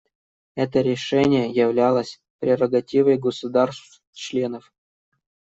Это решение являлось прерогативой государств-членов.